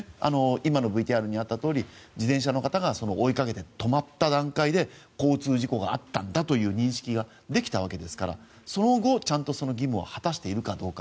今のＶＴＲにあったとおり自転車の方が追いかけて止まった段階で交通事故があったんだという認識ができたわけですからその後、その義務をちゃんと果たしているかどうか。